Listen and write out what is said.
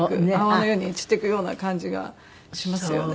泡のように散っていくような感じがしますよね。